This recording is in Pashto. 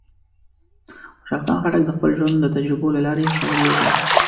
خوشحال خان خټک د خپل ژوند د تجربو له لارې شاعري وکړه.